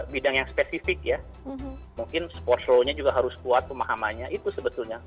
bidang yang spesifik ya mungkin sports law nya juga harus kuat pemahamannya itu sebetulnya